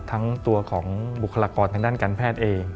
ทั้งตัวของบุคลากรทางด้านการแพทย์เอง